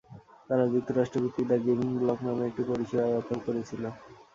তারা যুক্তরাষ্ট্র ভিত্তিক দ্য গিভিং ব্লক নামে একটি পরিষেবা ব্যবহার করেছিল।